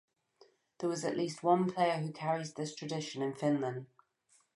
There was at least one player who carries this tradition in Finlan.